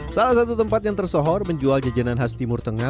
salah satu tempat yang tersohor menjual jajanan khas timur tengah